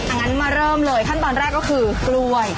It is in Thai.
งั้นมาเริ่มเลยขั้นตอนแรกก็คือกล้วย